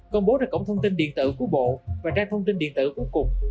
công bố được cổng thông tin điện tử của bộ và ra thông tin điện tử cuối cùng